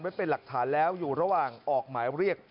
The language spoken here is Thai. เป็นหลักฐานแล้วอยู่ระหว่างออกหมายเรียก